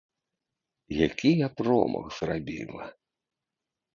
Які я промах зрабіла!